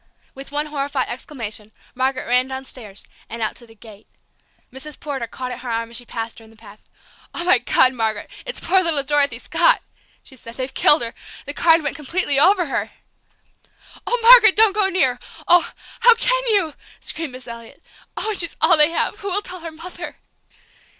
With one horrified exclamation, Margaret ran downstairs, and out to the gate. Mrs. Porter caught at her arm as she passed her in the path. "Oh, my God, Margaret! It's poor little Dorothy Scott!" she said. "They've killed her. The car went completely over her!" "Oh, Margaret, don't go near, oh, how can you!" screamed Miss Elliot. "Oh, and she's all they have! Who'll tell her mother!"